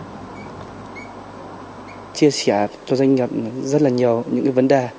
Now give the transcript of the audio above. chia sẻ cho doanh nghiệp rất là nhiều những cái vấn đề